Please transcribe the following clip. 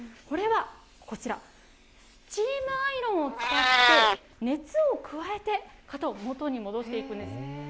これはこちら、スチームアイロンを使って、熱を加えて、かたをもとに戻していくんです。